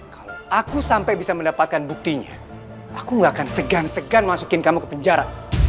kalau aku sampai bisa mendapatkan buktinya aku gak akan segan segan masukin kamu ke penjara